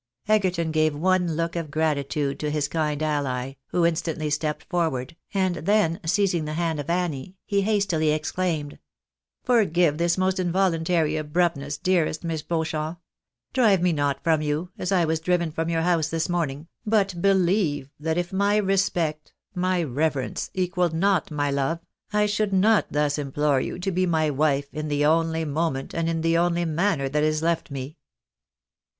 Egerton gave one look of gratitude to his kind ally, who in stantly stepped forward, and then seizing the hand of Annie, he hastily exclaimed —" Forgive this most involuntary abruptness, dearest IMiss Beau champ ! Drive me not from you, as I Vv'as driven from your house this morning, but believe that if my respect, my reverence, equalled not my love, I should not thus implore you to be my wife in the only moment, and in the only manner that is left me."